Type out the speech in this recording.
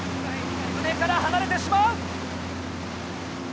船から離れてしまう。